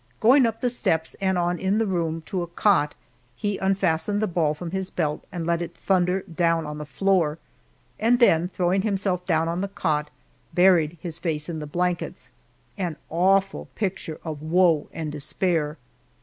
Going up the steps and on in the room to a cot, he unfastened the ball from his belt and let it thunder down on the floor, and then throwing himself down on the cot, buried his face in the blankets, an awful picture of woe and despair.